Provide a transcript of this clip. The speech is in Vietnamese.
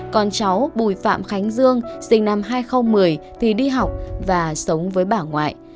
con cháu bùi phạm khánh dương sinh năm hai nghìn một mươi thì đi học và sống với bà ngoại